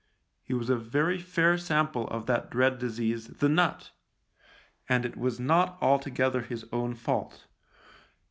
He was a very fair sample of that dread disease, " the Nut," and it was not altogether his own fault.